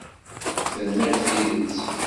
Tenna-d tidet?